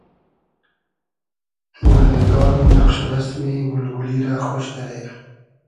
گولنیگار و نئقش و رئسمی گول گولی رۂ خۉش دیرې